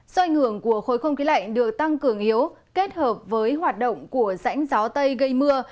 do ảnh hưởng của khối không khí lạnh được tăng cường yếu kết hợp với hoạt động của rãnh gió tây gây mưa